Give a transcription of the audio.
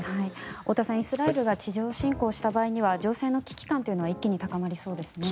太田さん、イスラエルが地上侵攻した場合には情勢の危機感というのは一気に高まりそうですね。